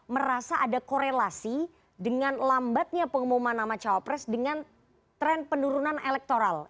merasa ada korelasi dengan lambatnya pengumuman nama cawapres dengan tren penurunan elektoral